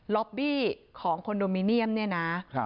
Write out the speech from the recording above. ล็อบบี้ของคอนโดมิเนียมเนี่ยนะ